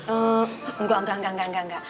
ehm enggak enggak enggak